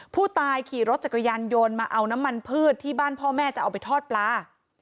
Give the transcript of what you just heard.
ผู้ตายขี่รถจักรยานยนต์มาเอาน้ำมันพืชที่บ้านพ่อแม่จะเอาไปทอดปลา